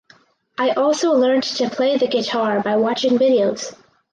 I also learnt to play the guitar by watching videos.